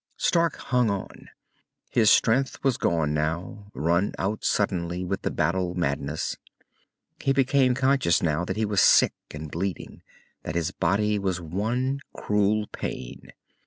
Stark hung on. His strength was gone now, run out suddenly with the battle madness. He became conscious now that he was sick and bleeding, that his body was one cruel pain.